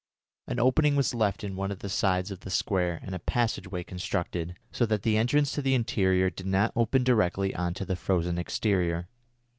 An opening was left in one of the sides of the square and a passage way constructed, so that the entrance to the interior did not open directly on to the frozen exterior.